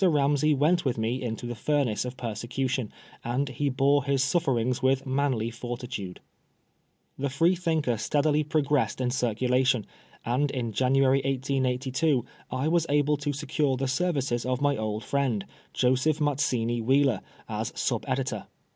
Ramsey went with me into the furnace of persecution, and he bore his sufferings with manly fortitude. The Freethinker steadily progressed in circulation, and in January, 1882, 1 was able to secure the services of my old friend, Joseph Mazzini Wheeler, as sub editor.